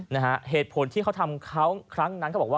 นะฮะเหตุผลที่เขาทำเขาครั้งนั้นเขาบอกว่า